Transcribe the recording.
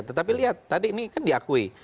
tetapi lihat tadi ini kan diakui